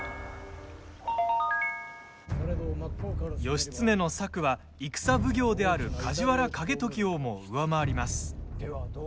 義経の策は軍奉行である梶原景時をも上回ります。